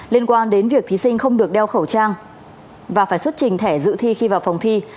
liên quan đến việc thí sinh không được đeo khẩu trang và phải xuất trình thẻ dự thi khi vào phòng thi